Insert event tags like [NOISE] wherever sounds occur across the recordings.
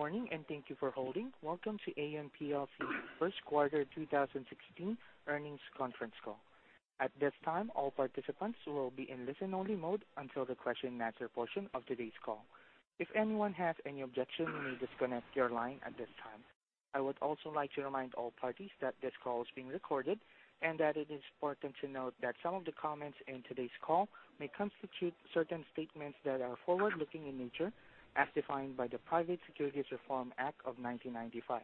Good morning, and thank you for holding. Welcome to Aon plc's first quarter 2016 earnings conference call. At this time, all participants will be in listen-only mode until the question and answer portion of today's call. If anyone has any objections, you may disconnect your line at this time. I would also like to remind all parties that this call is being recorded and that it is important to note that some of the comments in today's call may constitute certain statements that are forward-looking in nature, as defined by the Private Securities Litigation Reform Act of 1995.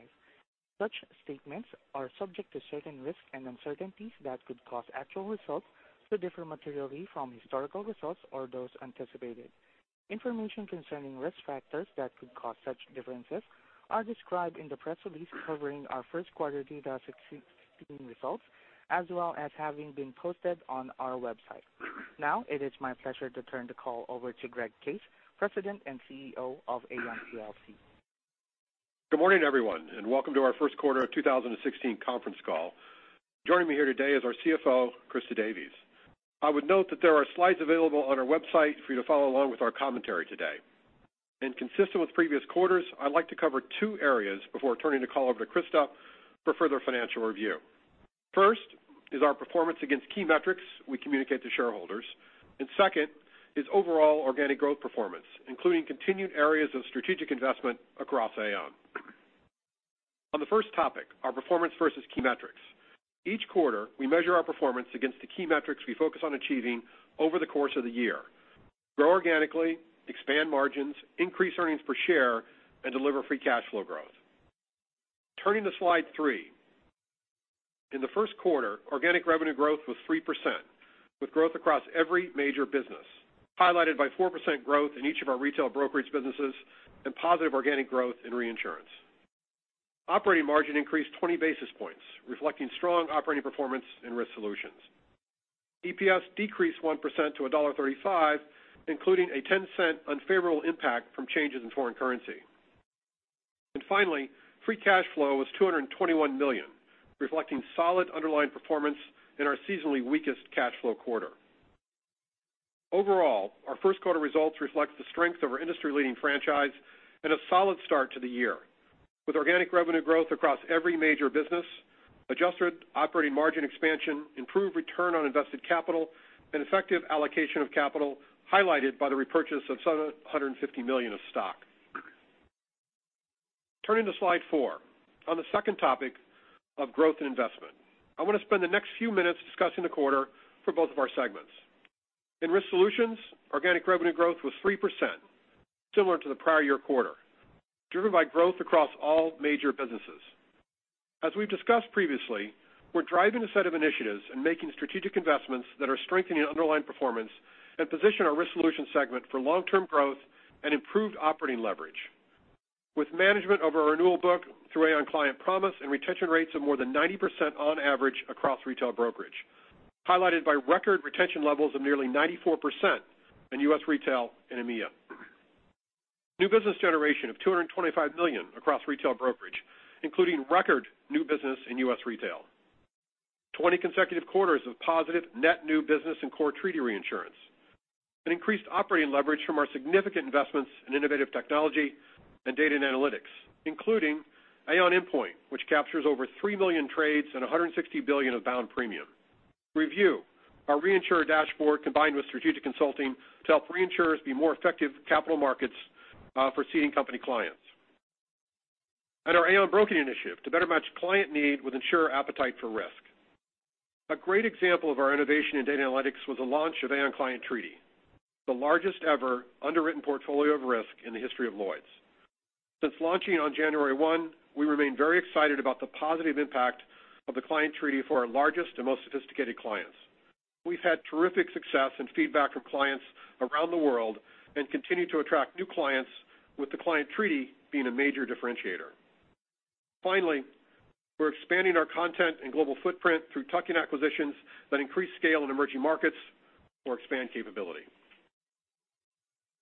Such statements are subject to certain risks and uncertainties that could cause actual results to differ materially from historical results or those anticipated. Information concerning risk factors that could cause such differences are described in the press release covering our first quarter 2016 results, as well as having been posted on our website. Now, it is my pleasure to turn the call over to Greg Case, President and CEO of Aon plc. Good morning, everyone, and welcome to our first quarter of 2016 conference call. Joining me here today is our CFO, Christa Davies. I would note that there are slides available on our website for you to follow along with our commentary today. Consistent with previous quarters, I'd like to cover two areas before turning the call over to Christa for further financial review. First is our performance against key metrics we communicate to shareholders, and second is overall organic growth performance, including continued areas of strategic investment across Aon. On the first topic, our performance versus key metrics. Each quarter, we measure our performance against the key metrics we focus on achieving over the course of the year. Grow organically, expand margins, increase earnings per share, and deliver free cash flow growth. Turning to slide three. In the first quarter, organic revenue growth was 3%, with growth across every major business, highlighted by 4% growth in each of our retail brokerage businesses and positive organic growth in reinsurance. Operating margin increased 20 basis points, reflecting strong operating performance in Risk Solutions. EPS decreased 1% to $1.35, including a $0.10 unfavorable impact from changes in foreign currency. Finally, free cash flow was $221 million, reflecting solid underlying performance in our seasonally weakest cash flow quarter. Overall, our first quarter results reflect the strength of our industry-leading franchise and a solid start to the year with organic revenue growth across every major business, adjusted operating margin expansion, improved return on invested capital, and effective allocation of capital, highlighted by the repurchase of $750 million of stock. Turning to slide four, on the second topic of growth and investment. I want to spend the next few minutes discussing the quarter for both of our segments. In Risk Solutions, organic revenue growth was 3%, similar to the prior year quarter, driven by growth across all major businesses. As we've discussed previously, we're driving a set of initiatives and making strategic investments that are strengthening underlying performance and position our Risk Solutions segment for long-term growth and improved operating leverage with management of our renewal book through Aon Client Promise and retention rates of more than 90% on average across retail brokerage, highlighted by record retention levels of nearly 94% in U.S. Retail and EMEA. New business generation of $225 million across retail brokerage, including record new business in U.S. Retail. 20 consecutive quarters of positive net new business and core treaty reinsurance. An increased operating leverage from our significant investments in innovative technology and data and analytics, including Aon Inpoint, which captures over three million trades and $160 billion of bound premium. Aon ReView, our reinsurer dashboard combined with strategic consulting to help reinsurers be more effective capital markets for ceding company clients. Our Aon Broking initiative to better match client need with insurer appetite for risk. A great example of our innovation in data analytics was the launch of Aon Client Treaty, the largest ever underwritten portfolio of risk in the history of Lloyd's. Since launching on January 1, we remain very excited about the positive impact of the client treaty for our largest and most sophisticated clients. We've had terrific success and feedback from clients around the world and continue to attract new clients, with the client treaty being a major differentiator. Finally, we're expanding our content and global footprint through tuck-in acquisitions that increase scale in emerging markets or expand capability.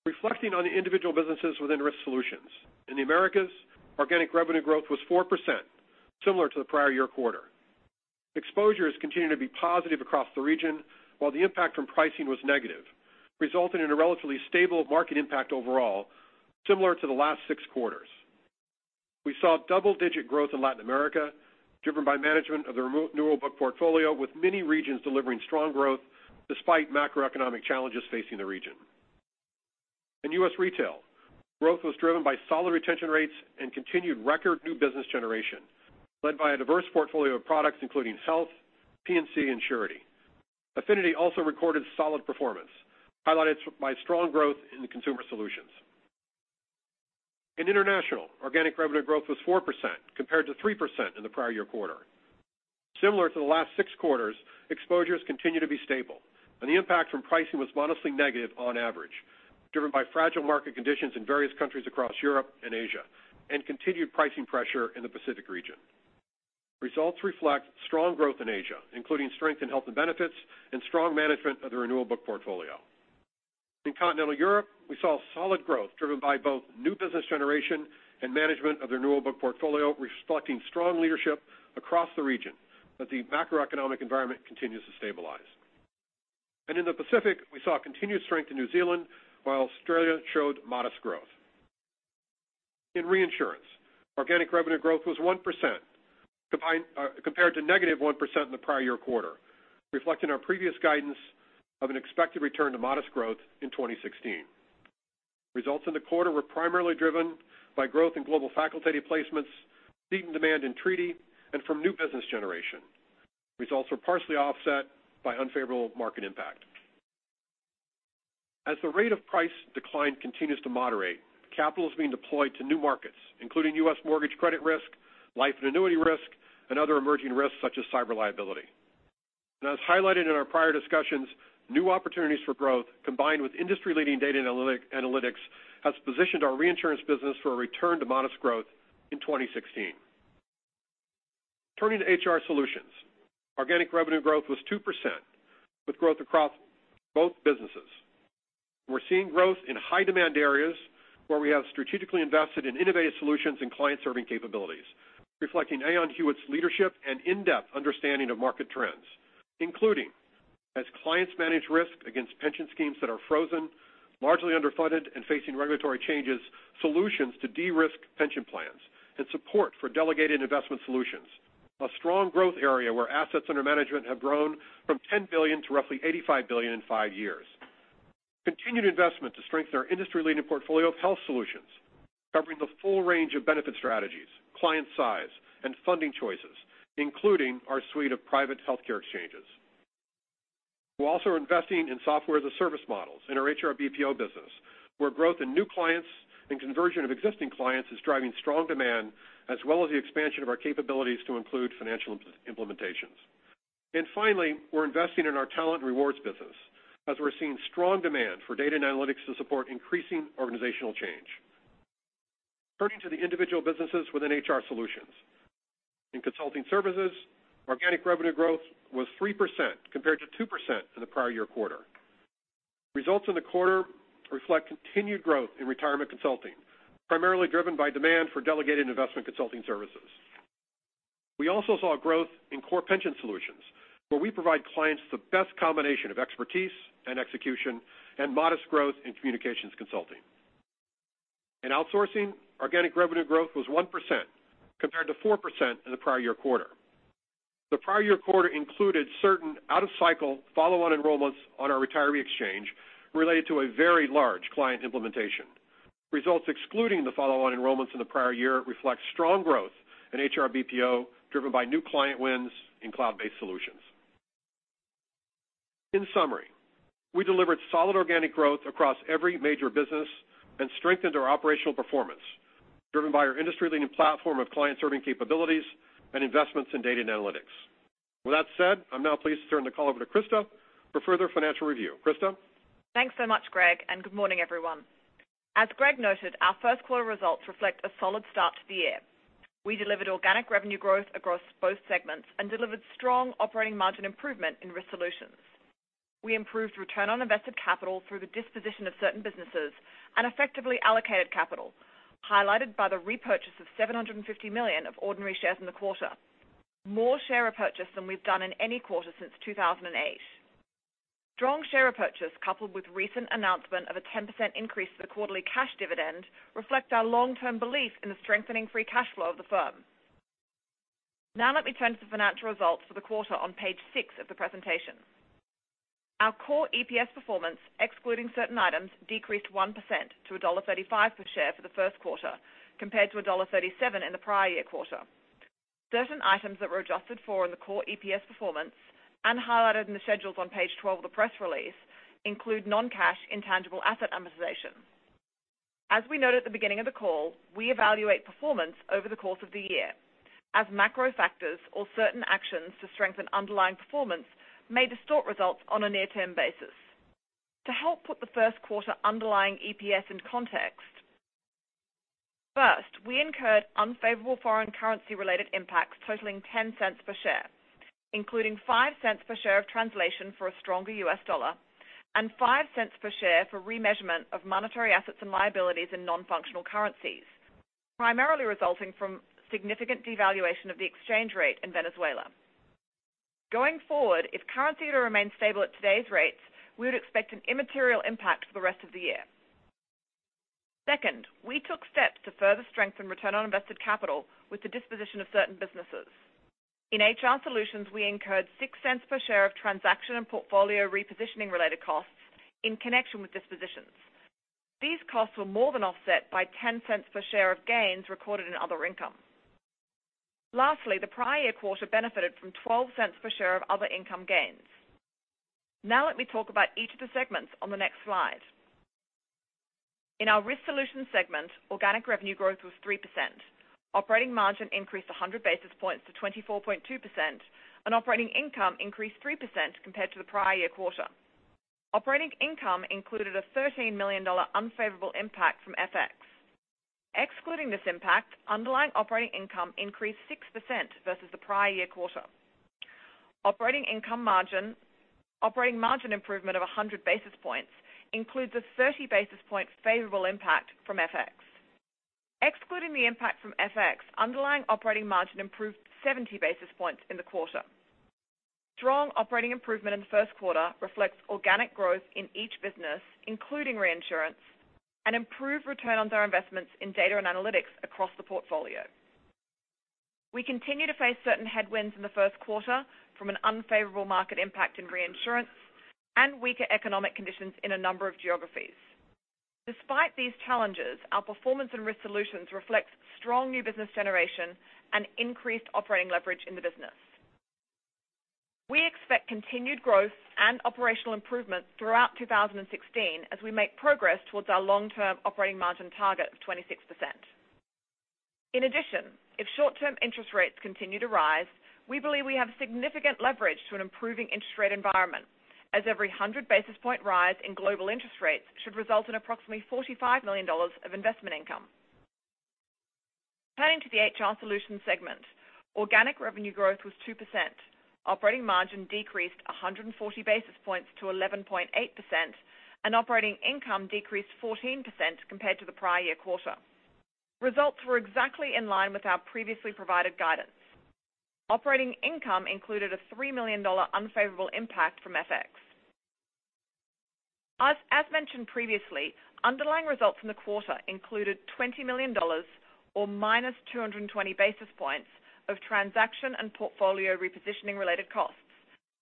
Reflecting on the individual businesses within Risk Solutions. In the Americas, organic revenue growth was 4%, similar to the prior year quarter. Exposure has continued to be positive across the region, while the impact from pricing was negative, resulting in a relatively stable market impact overall, similar to the last six quarters. We saw double-digit growth in Latin America, driven by management of the renewal book portfolio, with many regions delivering strong growth despite macroeconomic challenges facing the region. In U.S. Retail, growth was driven by solid retention rates and continued record new business generation led by a diverse portfolio of products including health, P&C, and surety. Affinity also recorded solid performance, highlighted by strong growth in consumer solutions. In international, organic revenue growth was 4% compared to 3% in the prior year quarter. Similar to the last six quarters, exposures continue to be stable, and the impact from pricing was modestly negative on average, driven by fragile market conditions in various countries across Europe and Asia and continued pricing pressure in the Pacific region. Results reflect strong growth in Asia, including strength in health and benefits and strong management of the renewal book portfolio. In continental Europe, we saw solid growth driven by both new business generation and management of the renewal book portfolio, reflecting strong leadership across the region as the macroeconomic environment continues to stabilize. In the Pacific, we saw continued strength in New Zealand while Australia showed modest growth. In reinsurance, organic revenue growth was 1% compared to negative 1% in the prior year quarter, reflecting our previous guidance of an expected return to modest growth in 2016. Results in the quarter were primarily driven by growth in global facultative placements, seating demand in treaty, and from new business generation. Results were partially offset by unfavorable market impact. As the rate of price decline continues to moderate, capital is being deployed to new markets, including U.S. mortgage credit risk, life and annuity risk, and other emerging risks such as cyber liability. As highlighted in our prior discussions, new opportunities for growth, combined with industry-leading data analytics, has positioned our reinsurance business for a return to modest growth in 2016. Turning to HR Solutions, organic revenue growth was 2%, with growth across both businesses. We're seeing growth in high demand areas where we have strategically invested in innovative solutions and client-serving capabilities, reflecting Aon Hewitt's leadership and in-depth understanding of market trends, including as clients manage risk against pension schemes that are frozen, largely underfunded, and facing regulatory changes, solutions to de-risk pension plans, and support for delegated investment solutions, a strong growth area where assets under management have grown from $10 billion to roughly $85 billion in five years. Continued investment to strengthen our industry-leading portfolio of health solutions, covering the full range of benefit strategies, client size, and funding choices, including our suite of private healthcare exchanges. We're also investing in software as a service models in our HR BPO business, where growth in new clients and conversion of existing clients is driving strong demand, as well as the expansion of our capabilities to include financial implementations. Finally, we're investing in our talent rewards business as we're seeing strong demand for data and analytics to support increasing organizational change. Turning to the individual businesses within HR Solutions. In consulting services, organic revenue growth was 3% compared to 2% in the prior year quarter. Results in the quarter reflect continued growth in retirement consulting, primarily driven by demand for delegated investment consulting services. We also saw growth in core pension solutions, where we provide clients the best combination of expertise and execution and modest growth in communications consulting. In outsourcing, organic revenue growth was 1% compared to 4% in the prior year quarter. The prior year quarter included certain out-of-cycle follow-on enrollments on our retiree exchange related to a very large client implementation. Results excluding the follow-on enrollments in the prior year reflect strong growth in HR BPO, driven by new client wins in cloud-based solutions. In summary, we delivered solid organic growth across every major business and strengthened our operational performance, driven by our industry-leading platform of client-serving capabilities and investments in data and analytics. With that said, I'm now pleased to turn the call over to Christa for further financial review. Christa? Thanks so much, Greg, and good morning, everyone. As Greg noted, our first quarter results reflect a solid start to the year. We delivered organic revenue growth across both segments and delivered strong operating margin improvement in Risk Solutions. We improved return on invested capital through the disposition of certain businesses and effectively allocated capital, highlighted by the repurchase of $750 million of ordinary shares in the quarter, more share repurchase than we've done in any quarter since 2008. Strong share repurchase, coupled with recent announcement of a 10% increase to the quarterly cash dividend, reflect our long-term belief in the strengthening free cash flow of the firm. Let me turn to the financial results for the quarter on page six of the presentation. Our core EPS performance, excluding certain items, decreased 1% to $1.35 per share for the first quarter, compared to $1.37 in the prior year quarter. Certain items that were adjusted for in the core EPS performance and highlighted in the schedules on page 12 of the press release include non-cash intangible asset amortization. As we noted at the beginning of the call, we evaluate performance over the course of the year, as macro factors or certain actions to strengthen underlying performance may distort results on a near-term basis. To help put the first quarter underlying EPS in context, first, we incurred unfavorable foreign currency related impacts totaling $0.10 per share, including $0.05 per share of translation for a stronger U.S. dollar and $0.05 per share for remeasurement of monetary assets and liabilities in non-functional currencies, primarily resulting from significant devaluation of the exchange rate in Venezuela. Going forward, if currency were to remain stable at today's rates, we would expect an immaterial impact for the rest of the year. Second, we took steps to further strengthen return on invested capital with the disposition of certain businesses. In HR Solutions, we incurred $0.06 per share of transaction and portfolio repositioning related costs in connection with dispositions. These costs were more than offset by $0.10 per share of gains recorded in other income. Lastly, the prior year quarter benefited from $0.12 per share of other income gains. Let me talk about each of the segments on the next slide. In our Risk Solutions segment, organic revenue growth was 3%. Operating margin increased 100 basis points to 24.2%, and operating income increased 3% compared to the prior year quarter. Operating income included a $13 million unfavorable impact from FX. Excluding this impact, underlying operating income increased 6% versus the prior year quarter. Operating margin improvement of 100 basis points includes a 30 basis point favorable impact from FX. Excluding the impact from FX, underlying operating margin improved 70 basis points in the quarter. Strong operating improvement in the first quarter reflects organic growth in each business, including reinsurance, and improved return on our investments in data and analytics across the portfolio. We continue to face certain headwinds in the first quarter from an unfavorable market impact in reinsurance and weaker economic conditions in a number of geographies. Despite these challenges, our performance and Risk Solutions reflect strong new business generation and increased operating leverage in the business. We expect continued growth and operational improvements throughout 2016 as we make progress towards our long-term operating margin target of 26%. In addition, if short-term interest rates continue to rise, we believe we have significant leverage to an improving interest rate environment, as every 100 basis point rise in global interest rates should result in approximately $45 million of investment income. Turning to the HR Solutions segment, organic revenue growth was 2%. Operating margin decreased 140 basis points to 11.8%, and operating income decreased 14% compared to the prior year quarter. Results were exactly in line with our previously provided guidance. Operating income included a $3 million unfavorable impact from FX. As mentioned previously, underlying results in the quarter included $20 million or minus 220 basis points of transaction and portfolio repositioning related costs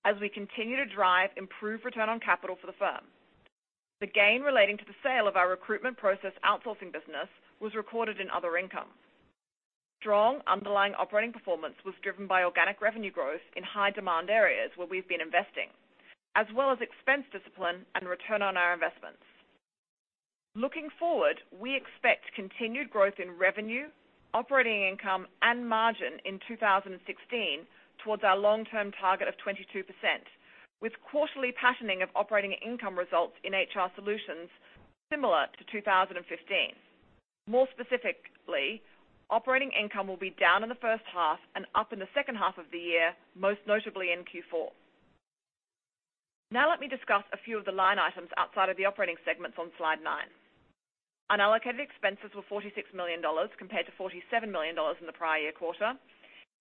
as we continue to drive improved return on capital for the firm. The gain relating to the sale of our recruitment process outsourcing business was recorded in other income. Strong underlying operating performance was driven by organic revenue growth in high demand areas where we've been investing, as well as expense discipline and return on our investments. Looking forward, we expect continued growth in revenue, operating income, and margin in 2016 towards our long-term target of 22%, with quarterly patterning of operating income results in HR Solutions similar to 2015. More specifically, operating income will be down in the first half and up in the second half of the year, most notably in Q4. Let me discuss a few of the line items outside of the operating segments on slide nine. Unallocated expenses were $46 million compared to $47 million in the prior year quarter.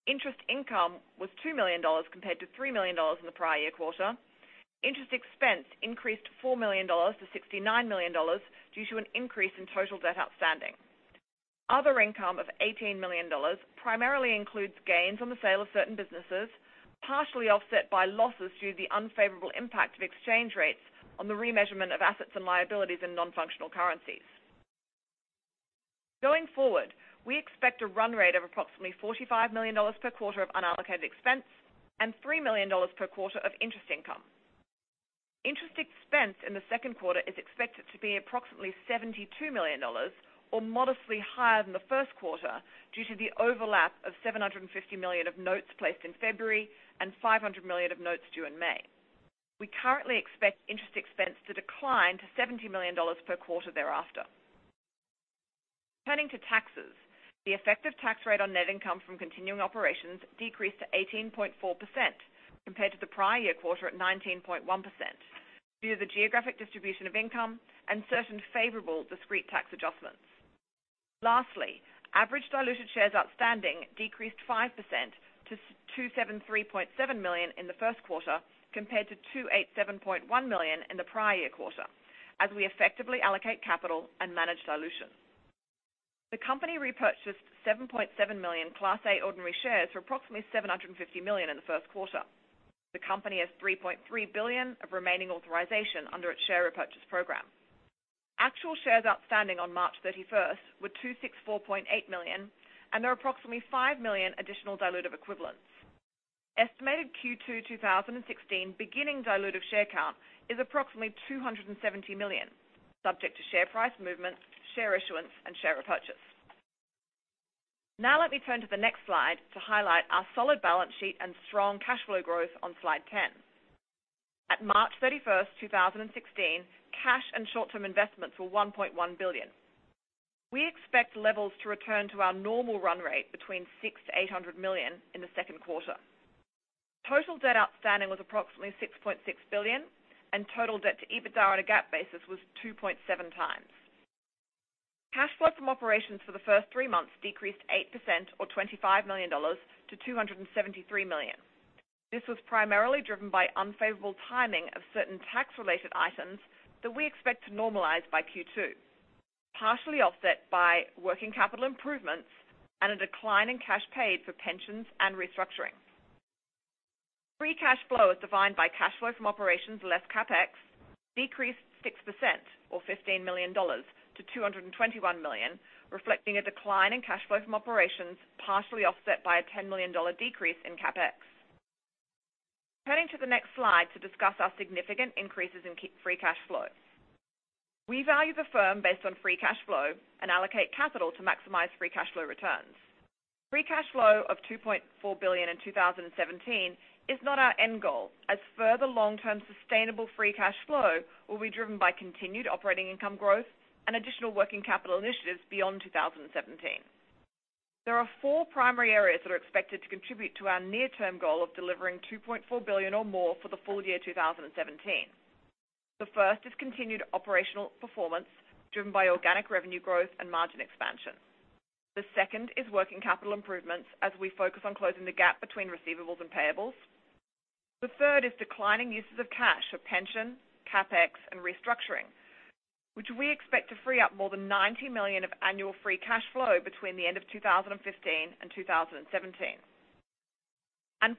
Interest income was $2 million compared to $3 million in the prior year quarter. Interest expense increased $4 million to $69 million due to an increase in total debt outstanding. Other income of $18 million primarily includes gains on the sale of certain businesses, partially offset by losses due to the unfavorable impact of exchange rates on the remeasurement of assets and liabilities in non-functional currencies. Going forward, we expect a run rate of approximately $45 million per quarter of unallocated expense and $3 million per quarter of interest income. Interest expense in the second quarter is expected to be approximately $72 million, or modestly higher than the first quarter, due to the overlap of $750 million of notes placed in February and $500 million of notes due in May. We currently expect interest expense to decline to $70 million per quarter thereafter. Turning to taxes, the effective tax rate on net income from continuing operations decreased to 18.4% compared to the prior year quarter at 19.1% due to the geographic distribution of income and certain favorable discrete tax adjustments. Lastly, average diluted shares outstanding decreased 5% to 273.7 million in the first quarter compared to 287.1 million in the prior year quarter as we effectively allocate capital and manage dilution. The company repurchased 7.7 million Class A ordinary shares for approximately $750 million in the first quarter. The company has $3.3 billion of remaining authorization under its share repurchase program. Actual shares outstanding on March 31st were 264.8 million, and there are approximately five million additional dilutive equivalents. Estimated Q2 2016 beginning dilutive share count is approximately 270 million, subject to share price movement, share issuance, and share repurchase. Let me turn to the next slide to highlight our solid balance sheet and strong cash flow growth on slide 10. At March 31st, 2016, cash and short-term investments were $1.1 billion. We expect levels to return to our normal run rate between $600 million-$800 million in the second quarter. Total debt outstanding was approximately $6.6 billion, and total debt to EBITDA on a GAAP basis was 2.7 times. Cash flow from operations for the first three months decreased 8%, or $25 million, to $273 million. This was primarily driven by unfavorable timing of certain tax-related items that we expect to normalize by Q2, partially offset by working capital improvements and a decline in cash paid for pensions and restructuring. Free cash flow, as defined by cash flow from operations less CapEx, decreased 6%, or $15 million, to $221 million, reflecting a decline in cash flow from operations, partially offset by a $10 million decrease in CapEx. Turning to the next slide to discuss our significant increases in free cash flow. We value the firm based on free cash flow and allocate capital to maximize free cash flow returns. Free cash flow of $2.4 billion in 2017 is not our end goal, as further long-term sustainable free cash flow will be driven by continued operating income growth and additional working capital initiatives beyond 2017. There are four primary areas that are expected to contribute to our near-term goal of delivering $2.4 billion or more for the full year 2017. The first is continued operational performance driven by organic revenue growth and margin expansion. The second is working capital improvements as we focus on closing the gap between receivables and payables. The third is declining uses of cash for pension, CapEx, and restructuring, which we expect to free up more than $90 million of annual free cash flow between the end of 2015 and 2017.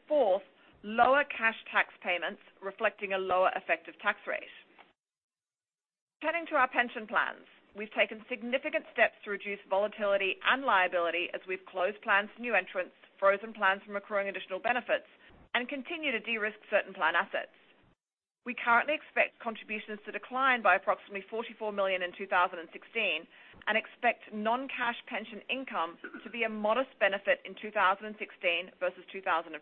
Fourth, lower cash tax payments reflecting a lower effective tax rate. Turning to our pension plans, we've taken significant steps to reduce volatility and liability as we've closed plans to new entrants, frozen plans from accruing additional benefits, and continue to de-risk certain plan assets. We currently expect contributions to decline by approximately $44 million in 2016 and expect non-cash pension income to be a modest benefit in 2016 versus 2015.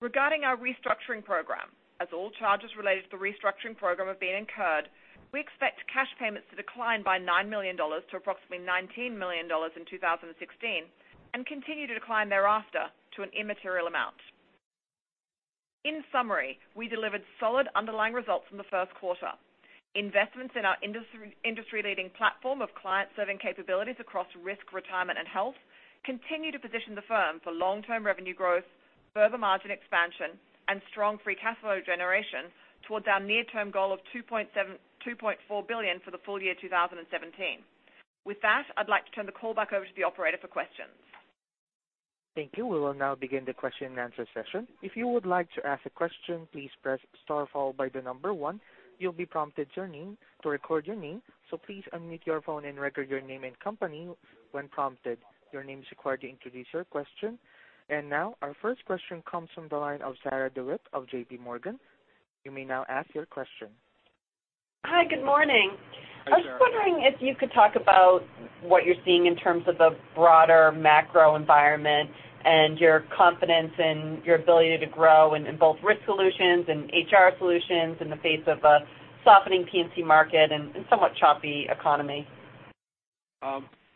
Regarding our restructuring program, as all charges related to the restructuring program have been incurred, we expect cash payments to decline by $9 million to approximately $19 million in 2016 and continue to decline thereafter to an immaterial amount. In summary, we delivered solid underlying results in the first quarter. Investments in our industry-leading platform of client-serving capabilities across Risk, Retirement, and Health continue to position the firm for long-term revenue growth, further margin expansion, and strong free cash flow generation towards our near-term goal of $2.4 billion for the full year 2017. With that, I'd like to turn the call back over to the operator for questions. Thank you. We will now begin the question and answer session. If you would like to ask a question, please press star followed by 1. You will be prompted to record your name, so please unmute your phone and record your name and company when prompted. Your name is required to introduce your question. Now our first question comes from the line of Sarah DeWitt of JPMorgan. You may now ask your question. Hi. Good morning. Hi, Sarah. I was just wondering if you could talk about what you are seeing in terms of the broader macro environment and your confidence in your ability to grow in both Risk Solutions and HR Solutions in the face of a softening P&C market and somewhat choppy economy.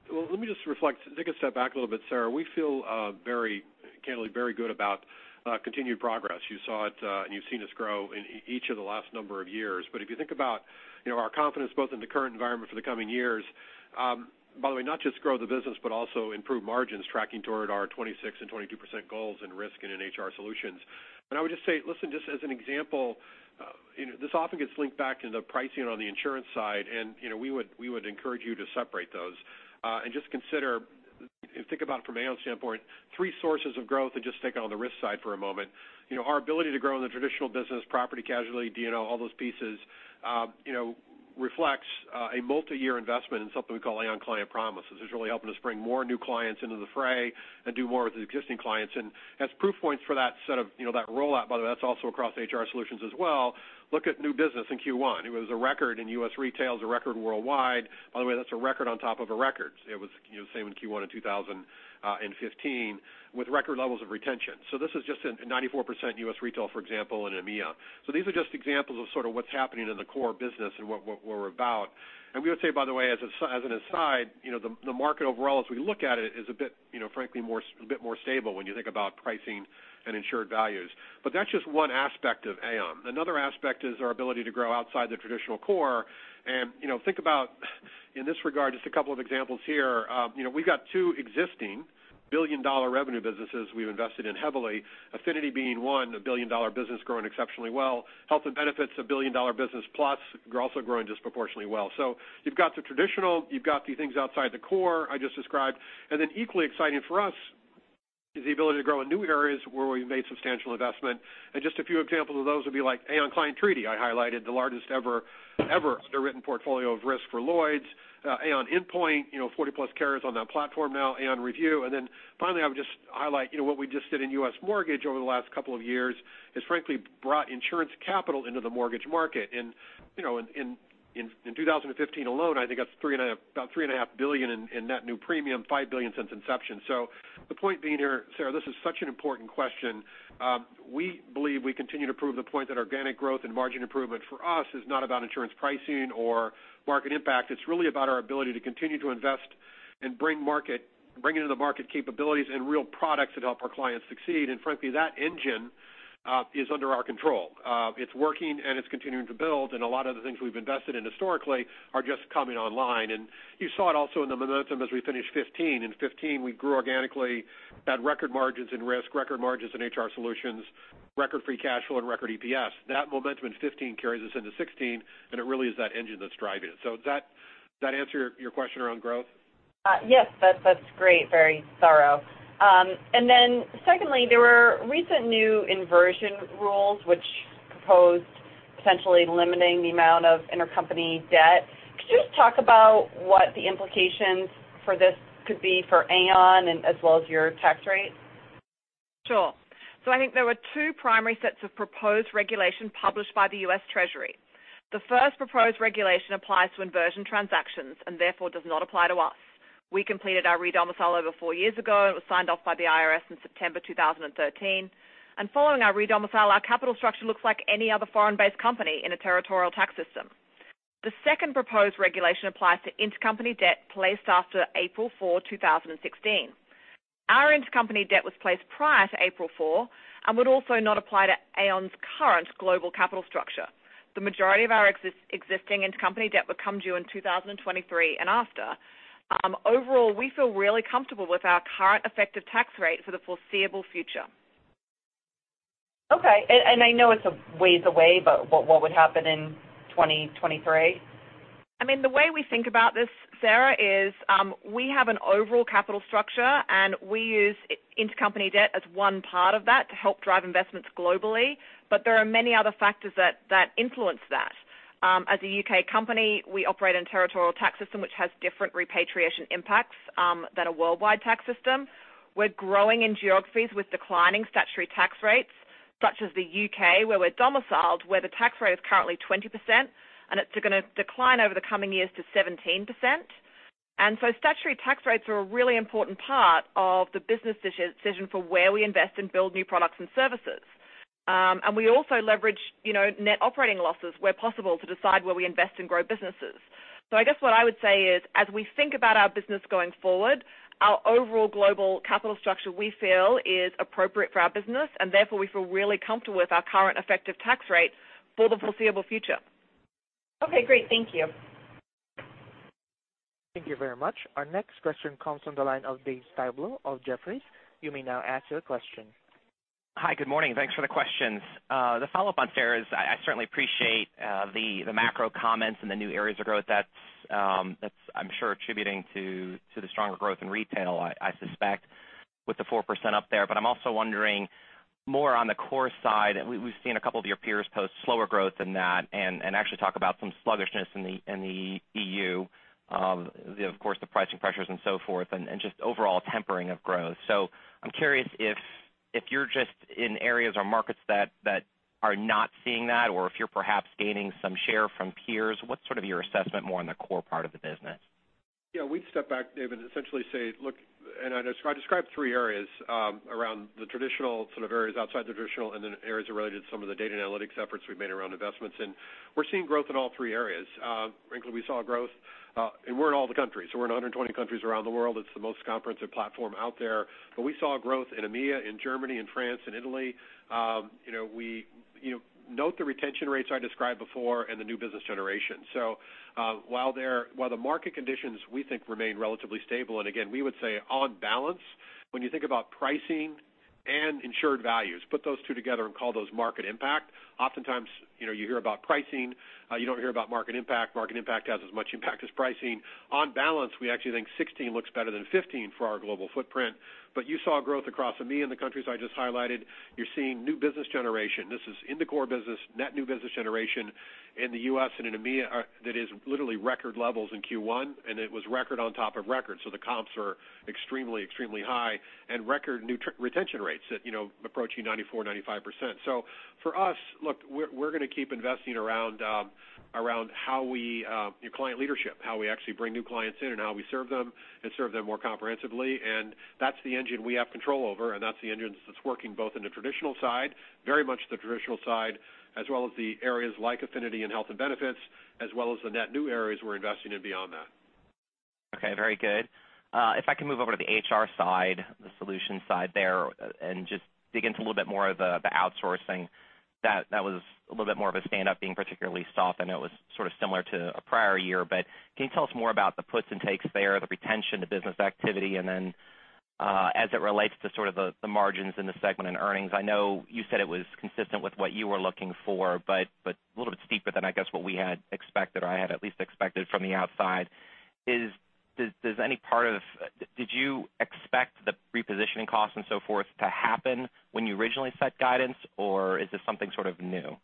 Let me just reflect, take a step back a little bit, Sarah. We feel candidly very good about continued progress. You saw it, and you've seen us grow in each of the last number of years. If you think about our confidence both in the current environment for the coming years, by the way, not just grow the business, but also improve margins tracking toward our 26% and 22% goals in Risk Solutions and in HR Solutions. I would just say, listen, just as an example, this often gets linked back into pricing on the insurance side, and we would encourage you to separate those. Just consider and think about from Aon's standpoint, three sources of growth and just take it on the risk side for a moment. Our ability to grow in the traditional business, property, casualty, D&O, all those pieces, reflects a multi-year investment in something we call Aon Client Promise, which is really helping us bring more new clients into the fray and do more with the existing clients. As proof points for that rollout, by the way, that's also across HR Solutions as well. Look at new business in Q1. It was a record in US Retail, it was a record worldwide. By the way, that's a record on top of a record. It was the same in Q1 in 2015 with record levels of retention. This is just in 94% US Retail, for example, and EMEA. These are just examples of sort of what's happening in the core business and what we're about. We would say, by the way, as an aside, the market overall as we look at it is a bit, frankly, more stable when you think about pricing and insured values. That's just one aspect of Aon. Another aspect is our ability to grow outside the traditional core. Think about, in this regard, just a couple of examples here. We've got two existing billion-dollar revenue businesses we've invested in heavily. Affinity being one, a billion-dollar business growing exceptionally well. Health and benefits, a billion-dollar business plus, also growing disproportionately well. You've got the traditional, you've got the things outside the core I just described, and then equally exciting for us is the ability to grow in new areas where we've made substantial investment. Just a few examples of those would be like Aon Client Treaty. I highlighted the largest ever underwritten portfolio of risk for Lloyd's. Aon Inpoint, 40-plus carriers on that platform now. Aon ReView. Finally, I would just highlight what we just did in U.S. mortgage over the last couple of years has frankly brought insurance capital into the mortgage market. In 2015 alone, I think that's about $3.5 billion in net new premium, $5 billion since inception. The point being here, Sarah, this is such an important question. We believe we continue to prove the point that organic growth and margin improvement for us is not about insurance pricing or market impact. It's really about our ability to continue to invest and bring into the market capabilities and real products that help our clients succeed. Frankly, that engine is under our control. It's working, it's continuing to build, a lot of the things we've invested in historically are just coming online. You saw it also in the momentum as we finished 2015. In 2015, we grew organically, had record margins in Risk Solutions, record margins in HR Solutions, record free cash flow, and record EPS. That momentum in 2015 carries us into 2016, and it really is that engine that's driving it. Does that answer your question around growth? Yes. That's great. Very thorough. Secondly, there were recent new inversion rules which proposed potentially limiting the amount of intercompany debt. Could you just talk about what the implications for this could be for Aon and as well as your tax rate? Sure. I think there were two primary sets of proposed regulation published by the U.S. Treasury. The first proposed regulation applies to inversion transactions and therefore does not apply to us. We completed our redomicile over four years ago, and it was signed off by the IRS in September 2013. Following our redomicile, our capital structure looks like any other foreign-based company in a territorial tax system. The second proposed regulation applies to intercompany debt placed after April 4, 2016. Our intercompany debt was placed prior to April 4 and would also not apply to Aon's current global capital structure. The majority of our existing intercompany debt would come due in 2023 and after. Overall, we feel really comfortable with our current effective tax rate for the foreseeable future. Okay. I know it's a ways away, but what would happen in 2023? The way we think about this, Sarah, is we have an overall capital structure, and we use intercompany debt as one part of that to help drive investments globally. There are many other factors that influence that. As a U.K. company, we operate in a territorial tax system, which has different repatriation impacts than a worldwide tax system. We're growing in geographies with declining statutory tax rates, such as the U.K., where we're domiciled, where the tax rate is currently 20%, and it's going to decline over the coming years to 17%. Statutory tax rates are a really important part of the business decision for where we invest and build new products and services. We also leverage net operating losses where possible to decide where we invest and grow businesses. I guess what I would say is, as we think about our business going forward, our overall global capital structure, we feel is appropriate for our business, and therefore, we feel really comfortable with our current effective tax rate for the foreseeable future. Okay, great. Thank you. Thank you very much. Our next question comes from the line of Dave Styblo of Jefferies. You may now ask your question. Hi, good morning. Thanks for the questions. The follow-up on Sarah is, I certainly appreciate the macro comments and the new areas of growth that's, I'm sure, attributing to the stronger growth in retail, I suspect with the 4% up there. I'm also wondering more on the core side, we've seen a couple of your peers post slower growth than that and actually talk about some sluggishness in the EU, of course, the pricing pressures and so forth, and just overall tempering of growth. I'm curious if you're just in areas or markets that are not seeing that or if you're perhaps gaining some share from peers. What's sort of your assessment more on the core part of the business? We'd step back, David, and essentially say, look, I described three areas around the traditional sort of areas outside the traditional and then areas related to some of the data analytics efforts we've made around investments, and we're seeing growth in all three areas. Frankly, we saw growth and we're in all the countries. We're in 120 countries around the world. It's the most comprehensive platform out there. We saw growth in EMEA, in Germany, in France and Italy. Note the retention rates I described before and the new business generation. While the market conditions we think remain relatively stable, and again, we would say on balance, when you think about pricing and insured values, put those two together and call those market impact. Oftentimes, you hear about pricing, you don't hear about market impact. Market impact has as much impact as pricing. On balance, we actually think 2016 looks better than 2015 for our global footprint. You saw growth across EMEA and the countries I just highlighted. You're seeing new business generation. This is in the core business, net new business generation in the U.S. and in EMEA, that is literally record levels in Q1, and it was record on top of record. The comps are extremely high and record new retention rates that, approaching 94%-95%. For us, look, we're going to keep investing around client leadership, how we actually bring new clients in and how we serve them and serve them more comprehensively. That's the engine we have control over, and that's the engine that's working both in the traditional side, very much the traditional side, as well as the areas like affinity and health and benefits, as well as the net new areas we're investing in beyond that. Okay, very good. If I can move over to the HR Solutions side, the solutions side there, and just dig into a little bit more of the outsourcing that was a little bit more of a standout being particularly soft. Can you tell us more about the puts and takes there, the retention, the business activity, and then as it relates to sort of the margins in the segment and earnings? I know you said it was consistent with what you were looking for, a little bit steeper than I guess what we had expected or I had at least expected from the outside. Did you expect the repositioning costs and so forth to happen when you originally set guidance, or is this something sort of new?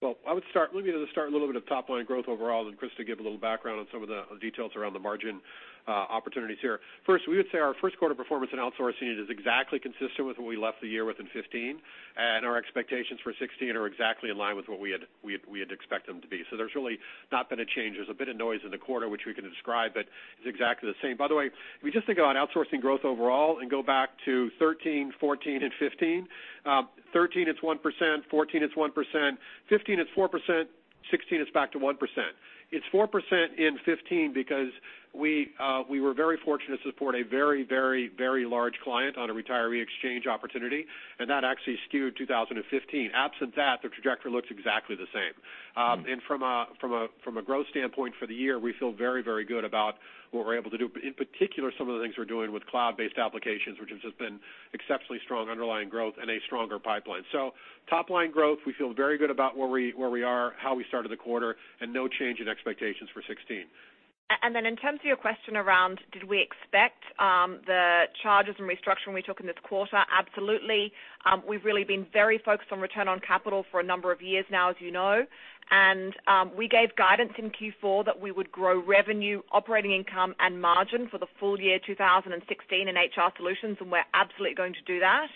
Well, I would start maybe with a little bit of top-line growth overall, then Christa give a little background on some of the details around the margin opportunities here. First, we would say our first quarter performance in outsourcing is exactly consistent with what we left the year with in 2015, and our expectations for 2016 are exactly in line with what we had expected them to be. There's really not been a change. There's a bit of noise in the quarter, which we can describe, but it's exactly the same. By the way, if we just think about outsourcing growth overall and go back to 2013, 2014, and 2015. 2013, it's 1%, 2014, it's 1%, 2015, it's 4%, 2016, it's back to 1%. It's 4% in 2015 because we were very fortunate to support a very large client on a retiree exchange opportunity, and that actually skewed 2015. Absent that, the trajectory looks exactly the same. From a growth standpoint for the year, we feel very good about what we're able to do. In particular, some of the things we're doing with cloud-based applications, which has just been exceptionally strong underlying growth and a stronger pipeline. Top-line growth, we feel very good about where we are, how we started the quarter, and no change in expectations for 2016. In terms of your question around did we expect the charges and restructuring we took in this quarter? Absolutely. We've really been very focused on return on capital for a number of years now, as you know. We gave guidance in Q4 that we would grow revenue, operating income, and margin for the full year 2016 in HR Solutions, and we're absolutely going to do that.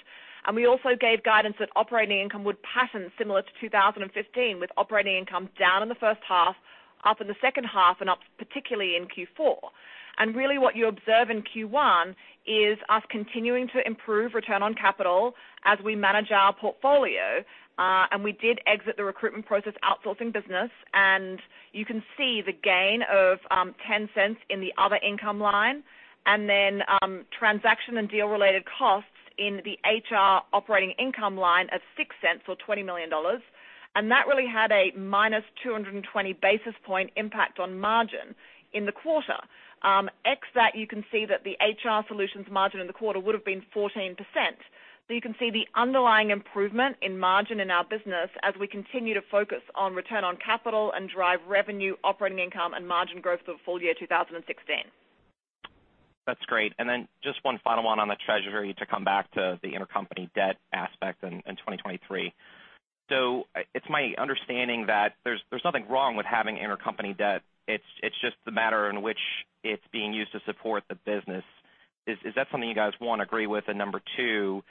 We also gave guidance that operating income would pattern similar to 2015, with operating income down in the first half, up in the second half, and up particularly in Q4. Really what you observe in Q1 is us continuing to improve return on capital as we manage our portfolio. We did exit the recruitment process outsourcing business. You can see the gain of $0.10 in the other income line, then transaction and deal related costs in the HR Solutions operating income line of $0.06 or $20 million. That really had a minus 220 basis point impact on margin in the quarter. Ex that, you can see that the HR Solutions margin in the quarter would've been 14%. You can see the underlying improvement in margin in our business as we continue to focus on return on capital and drive revenue, operating income, and margin growth for full year 2016. That's great. Then just one final one on the Treasury to come back to the intercompany debt aspect and 2023. It's my understanding that there's nothing wrong with having intercompany debt. It's just the matter in which it's being used to support the business. Is that something you guys, one, agree with? Number two,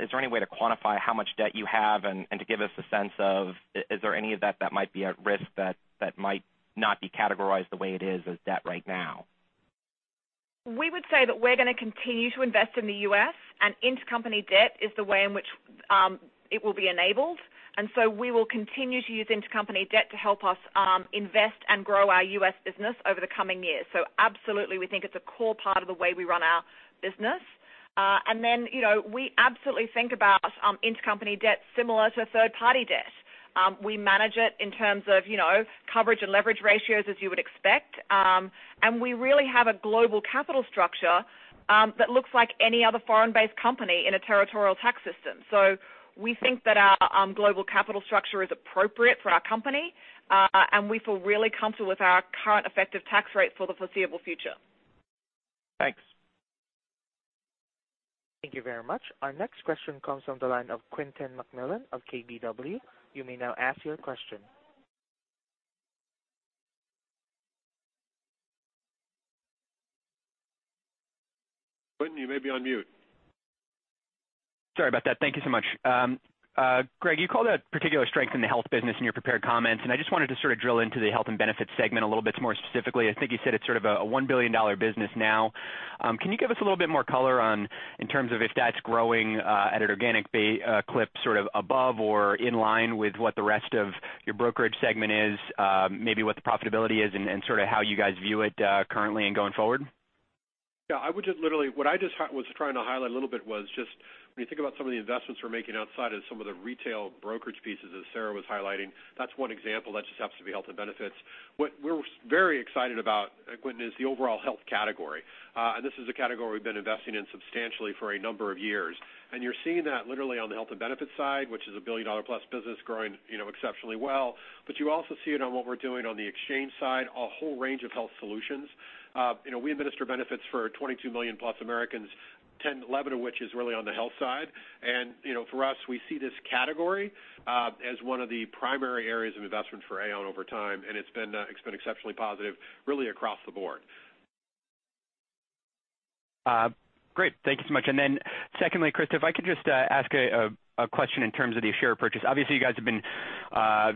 is there any way to quantify how much debt you have and to give us a sense of, is there any of that that might be at risk that might not be categorized the way it is as debt right now? We would say that we're going to continue to invest in the U.S. Intercompany debt is the way in which it will be enabled. We will continue to use intercompany debt to help us invest and grow our U.S. business over the coming years. Absolutely, we think it's a core part of the way we run our business. We absolutely think about intercompany debt similar to third-party debt. We manage it in terms of coverage and leverage ratios as you would expect. We really have a global capital structure that looks like any other foreign-based company in a territorial tax system. We think that our global capital structure is appropriate for our company, and we feel really comfortable with our current effective tax rate for the foreseeable future. Thanks. Thank you very much. Our next question comes from the line of Quentin McMillan of KBW. You may now ask your question. Quentin, you may be on mute. Sorry about that. Thank you so much. Greg, you called out particular strength in the health business in your prepared comments, and I just wanted to sort of drill into the health and benefits segment a little bit more specifically. I think you said it's sort of a $1 billion business now. Can you give us a little bit more color on, in terms of if that's growing at an organic clip, sort of above or in line with what the rest of your brokerage segment is, maybe what the profitability is and sort of how you guys view it currently and going forward? What I just was trying to highlight a little bit was just when you think about some of the investments we're making outside of some of the retail brokerage pieces as Sarah was highlighting, that's one example. That just happens to be health and benefits. What we're very excited about, Quentin, is the overall health category. This is a category we've been investing in substantially for a number of years. You're seeing that literally on the health and benefits side, which is a billion-dollar-plus business growing exceptionally well. You also see it on what we're doing on the exchange side, a whole range of health solutions. We administer benefits for 22 million+ Americans, 10 to 11 of which is really on the health side. For us, we see this category as one of the primary areas of investment for Aon over time, and it's been exceptionally positive really across the board. Great. Thank you so much. Secondly, Christa, if I could just ask a question in terms of the share purchase. Obviously, you guys have been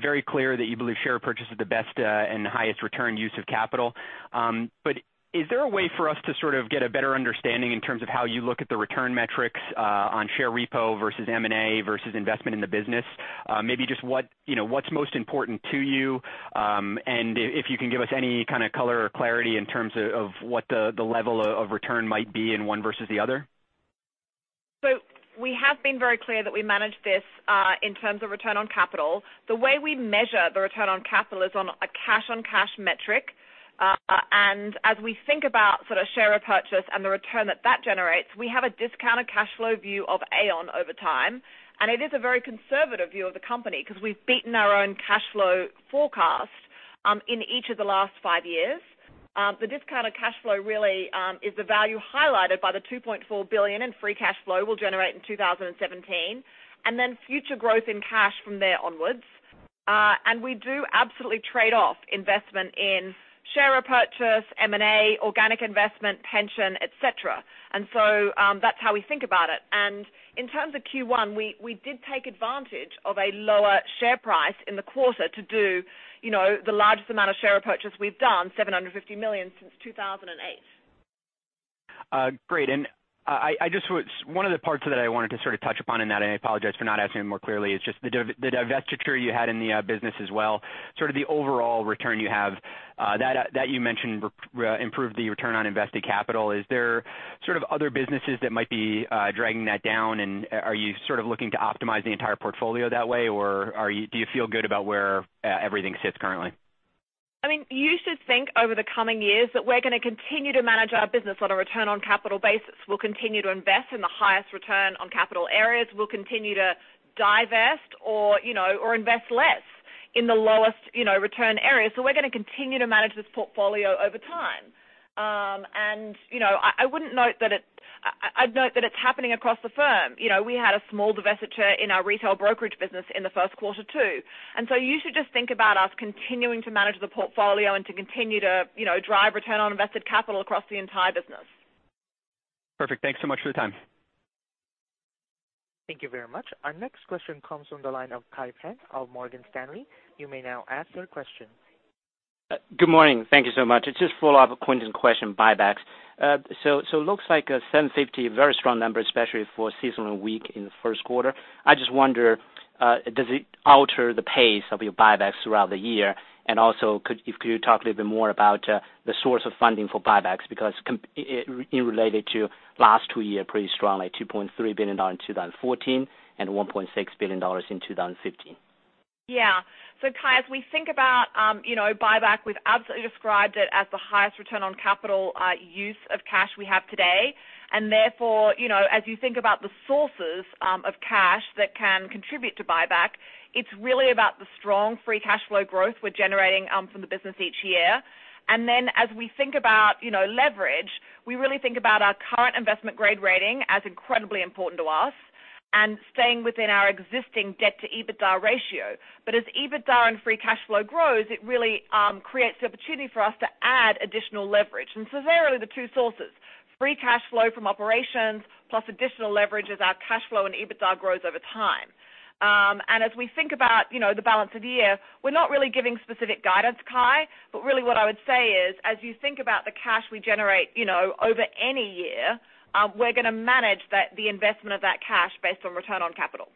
very clear that you believe share purchase is the best and highest return use of capital. Is there a way for us to sort of get a better understanding in terms of how you look at the return metrics on share repo versus M&A versus investment in the business? Maybe just what's most important to you, and if you can give us any kind of color or clarity in terms of what the level of return might be in one versus the other. We have been very clear that we manage this, in terms of return on capital. The way we measure the return on capital is on a cash-on-cash metric. As we think about sort of share purchase and the return that that generates, we have a discounted cash flow view of Aon over time. It is a very conservative view of the company because we've beaten our own cash flow forecast in each of the last five years. The discounted cash flow really is the value highlighted by the $2.4 billion in free cash flow we'll generate in 2017, and then future growth in cash from there onwards. We do absolutely trade off investment in share purchase, M&A, organic investment, pension, et cetera. That's how we think about it. In terms of Q1, we did take advantage of a lower share price in the quarter to do the largest amount of share purchase we've done, $750 million since 2008. Great. One of the parts that I wanted to sort of touch upon in that, and I apologize for not asking more clearly, is just the divestiture you had in the business as well, sort of the overall return you have, that you mentioned improved the return on invested capital. Is there sort of other businesses that might be dragging that down, and are you sort of looking to optimize the entire portfolio that way, or do you feel good about where everything sits currently? I mean, you should think over the coming years that we're going to continue to manage our business on a return on capital basis. We'll continue to invest in the highest return on capital areas. We'll continue to divest or invest less in the lowest return areas. We're going to continue to manage this portfolio over time. I'd note that it's happening across the firm. We had a small divestiture in our retail brokerage business in the first quarter, too. You should just think about us continuing to manage the portfolio and to continue to drive return on invested capital across the entire business. Perfect. Thanks so much for the time. Thank you very much. Our next question comes from the line of Kai Pan of Morgan Stanley. You may now ask your question. Good morning. Thank you so much. Just to follow up on Quentin's question, buybacks. Looks like $750, very strong number, especially for a seasonal week in the first quarter. I just wonder, does it alter the pace of your buybacks throughout the year? Could you talk a little bit more about the source of funding for buybacks? It related to last two year pretty strongly, $2.3 billion in 2014 and $1.6 billion in 2015. Yeah. Kai, as we think about buyback, we've absolutely described it as the highest return on capital use of cash we have today. Therefore, as you think about the sources of cash that can contribute to buyback, it's really about the strong free cash flow growth we're generating from the business each year. Then as we think about leverage, we really think about our current investment grade rating as incredibly important to us and staying within our existing debt to EBITDA ratio. As EBITDA and free cash flow grows, it really creates the opportunity for us to add additional leverage. So there are the two sources, free cash flow from operations, plus additional leverage as our cash flow and EBITDA grows over time. As we think about the balance of the year, we're not really giving specific guidance, Kai. Really what I would say is, as you think about the cash we generate over any year, we're going to manage the investment of that cash based on return on capital.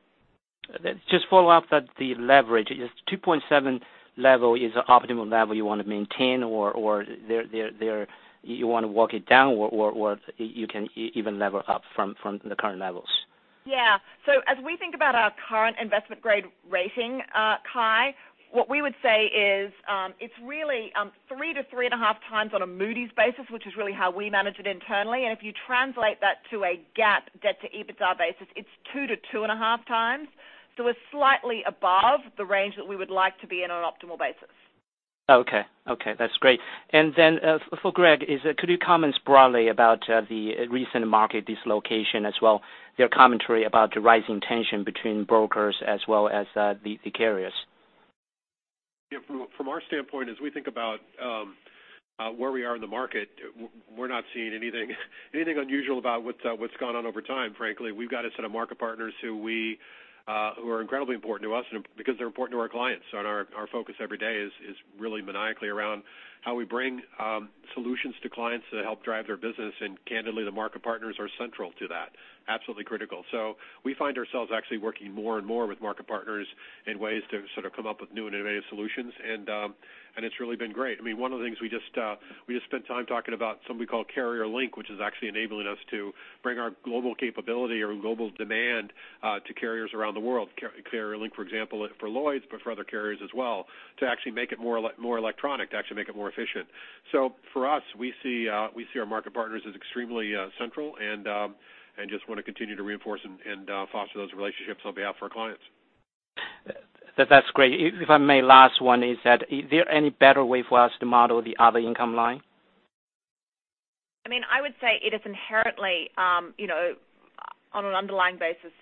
Just to follow up that the leverage is 2.7 level is the optimum level you want to maintain or you want to walk it down or you can even level up from the current levels? Yeah. As we think about our current investment grade rating, Kai, what we would say is it's really three to three and a half times on a Moody's basis, which is really how we manage it internally. If you translate that to a GAAP debt to EBITDA basis, it's two to two and a half times. We're slightly above the range that we would like to be in on an optimal basis. Okay. That's great. For Greg, could you comment broadly about the recent market dislocation as well your commentary about the rising tension between brokers as well as the carriers? Yeah. From our standpoint, as we think about where we are in the market, we're not seeing anything unusual about what's gone on over time, frankly. We've got a set of market partners who are incredibly important to us because they're important to our clients. Our focus every day is really maniacally around how we bring solutions to clients to help drive their business. Candidly, the market partners are central to that. Absolutely critical. We find ourselves actually working more and more with market partners in ways to sort of come up with new and innovative solutions, it's really been great. One of the things we just spent time talking about something we call Carrier Link, which is actually enabling us to bring our global capability or global demand to carriers around the world. Carrier Link, for example, for Lloyd's, but for other carriers as well, to actually make it more electronic, to actually make it more efficient. For us, we see our market partners as extremely central and just want to continue to reinforce and foster those relationships on behalf of our clients. That's great. If I may, last one is that, is there any better way for us to model the other income line? I would say it is inherently on an underlying basis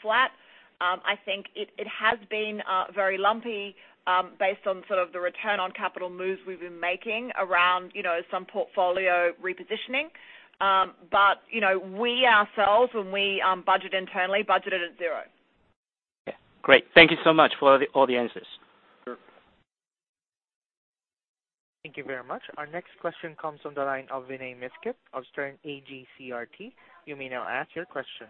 flat. I think it has been very lumpy based on sort of the return on capital moves we've been making around some portfolio repositioning. We ourselves, when we budget internally, budget it at zero. Okay, great. Thank you so much for all the answers. Sure. Thank you very much. Our next question comes from the line of Vinay Misquith of CRT Capital Group. You may now ask your question.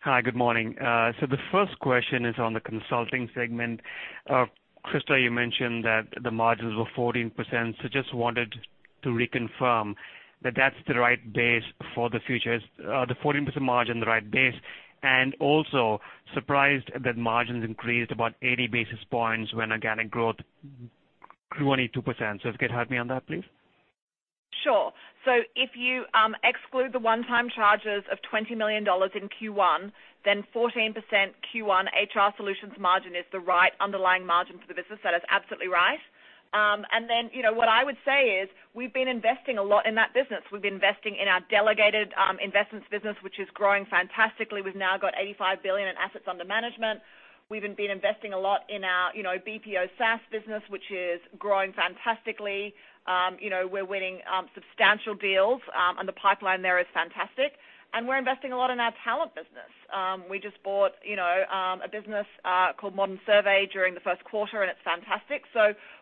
Hi, good morning. The first question is on the consulting segment. Christa, you mentioned that the margins were 14%, so just wanted to reconfirm that that's the right base for the future, the 14% margin, the right base. Also surprised that margins increased about 80 basis points when organic growth grew only 2%. If you could help me on that, please. Sure. If you exclude the one-time charges of $20 million in Q1, then 14% Q1 HR Solutions margin is the right underlying margin for the business. That is absolutely right. What I would say is we've been investing a lot in that business. We've been investing in our delegated investments business, which is growing fantastically. We've now got $85 billion in assets under management. We've been investing a lot in our BPO SaaS business, which is growing fantastically. We're winning substantial deals, and the pipeline there is fantastic. We're investing a lot in our talent business. We just bought a business called Modern Survey during the first quarter, and it's fantastic.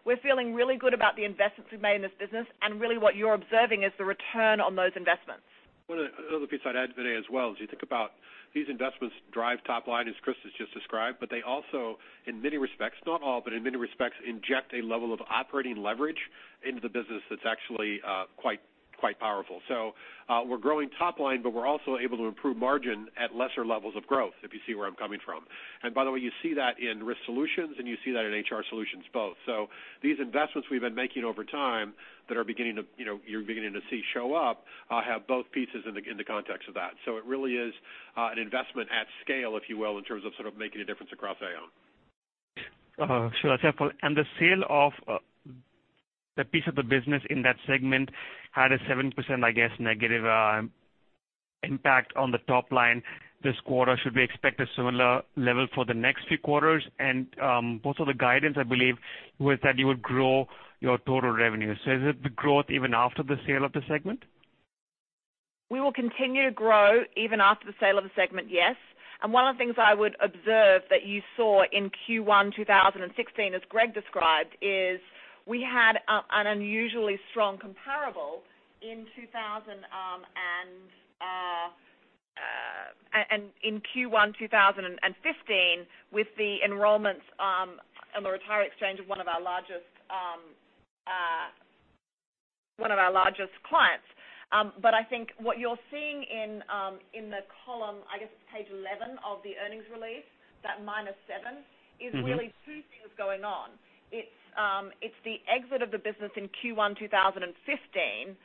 We're feeling really good about the investments we've made in this business, and really what you're observing is the return on those investments. One other piece I'd add, Vinay, as well, as you think about these investments drive top line, as Christa has just described, but they also, in many respects, not all, but in many respects, inject a level of operating leverage into the business that's actually quite powerful. We're growing top line, but we're also able to improve margin at lesser levels of growth, if you see where I'm coming from. By the way, you see that in Risk Solutions, and you see that in HR Solutions both. These investments we've been making over time that you're beginning to see show up have both pieces in the context of that. It really is an investment at scale, if you will, in terms of sort of making a difference across Aon. Sure. The sale of the piece of the business in that segment had a 7%, I guess, negative impact on the top line this quarter. Should we expect a similar level for the next few quarters? Also the guidance, I believe, was that you would grow your total revenue. Is it the growth even after the sale of the segment? We will continue to grow even after the sale of the segment, yes. One of the things I would observe that you saw in Q1 2016, as Greg described, is we had an unusually strong comparable in Q1 2015 with the enrollments on the retiree exchange of one of our largest clients. I think what you're seeing in the column, I guess it's page 11 of the earnings release, that minus seven, is really two things going on. It's the exit of the business in Q1 2015,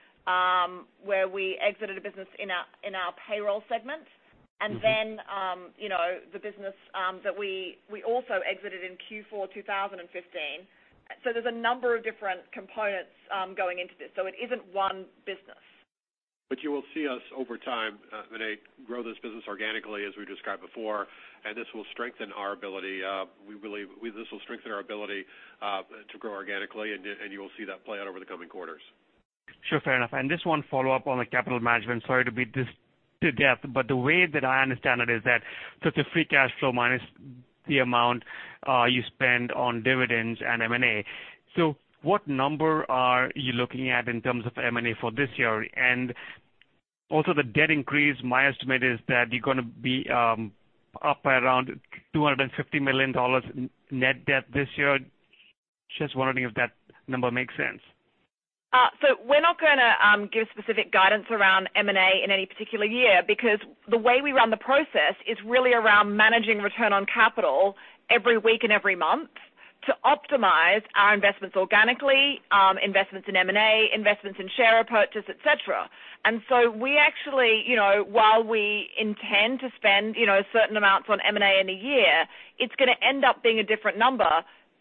where we exited a business in our payroll segment. The business that we also exited in Q4 2015. There's a number of different components going into this. It isn't one business. You will see us over time, Vinay, grow this business organically, as we described before, and this will strengthen our ability to grow organically, and you will see that play out over the coming quarters. Sure, fair enough. Just one follow-up on the capital management. Sorry to beat this to death, the way that I understand it is that, it's a free cash flow minus the amount you spend on dividends and M&A. What number are you looking at in terms of M&A for this year? Also the debt increase, my estimate is that you're going to be up by around $250 million net debt this year. Just wondering if that number makes sense. We're not going to give specific guidance around M&A in any particular year, because the way we run the process is really around managing return on capital every week and every month to optimize our investments organically, investments in M&A, investments in share repurchase, et cetera. While we intend to spend certain amounts on M&A in a year, it's going to end up being a different number